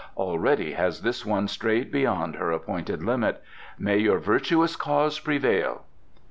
"Already has this one strayed beyond her appointed limit. May your virtuous cause prevail!"